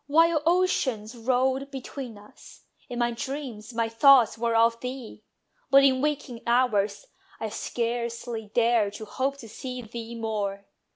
While oceans rolled between us, in my dreams My thoughts were of thee: but in waking hours I scarcely dared to hope to see thee more.